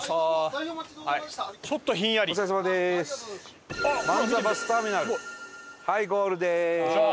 はいゴールです。